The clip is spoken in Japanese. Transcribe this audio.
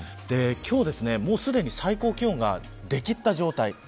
今日はもうすでに最高気温が出きった状態。